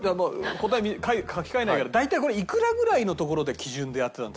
答え書き換えないから大体これいくらぐらいのところで基準でやってたの？